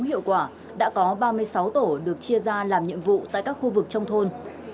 hiệu quả đã có ba mươi sáu tổ được chia ra làm nhiệm vụ tại các khu vực trong thôn